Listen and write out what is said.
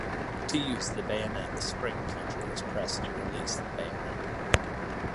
To use the bayonet, a spring plunger was pressed to release the bayonet.